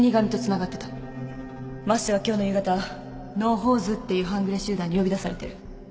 升瀬は今日の夕方野放図っていう半グレ集団に呼び出されてる